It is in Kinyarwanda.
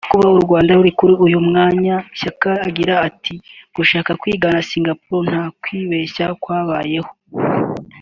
Kuba u Rwanda ruri kuri uyu mwanya Shyaka agira ati “Gushaka kwigana Singapore nta kwibeshya kwabayeho